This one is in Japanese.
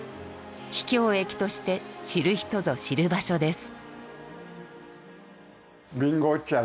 秘境駅として知る人ぞ知る場所です。